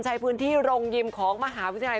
ใช้พื้นที่โรงยิมของมหาวิทยาลัย